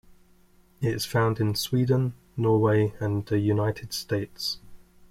It is found in Sweden, Norway, and the United States.